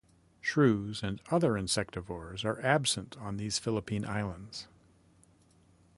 Shrews and other insectivores are absent on these Philippine islands.